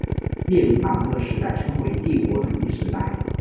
列宁把这个时代称为帝国主义时代。